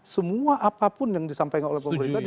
semua apapun yang disampaikan oleh pemerintah